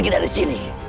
jika anda party